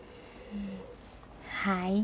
はい。